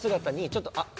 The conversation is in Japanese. ちょっと待って。